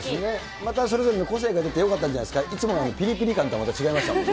またそれぞれの個性が出てよかったんじゃないですか、いつものピリピリ感とは、また違いましたもんね。